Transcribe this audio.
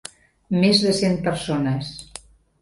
Mes de cent persones...